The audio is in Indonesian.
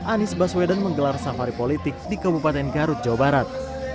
anies baswedan menggelar safari politik di kabupaten garut jawa barat